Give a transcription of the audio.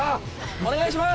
・お願いします！